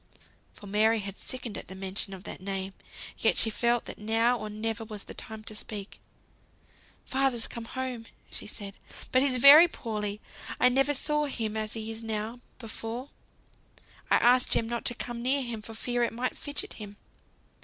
For Mary had sickened at the mention of that name; yet she felt that now or never was the time to speak. "Father's come home!" she said, "but he's very poorly; I never saw him as he is now, before. I asked Jem not to come near him for fear it might fidget him."